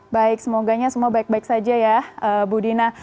baik semoganya semua baik baik saja ya bu dina